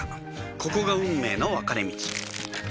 ここが運命の分かれ道